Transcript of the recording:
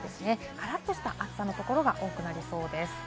からっとした暑さのところが多くなりそうです。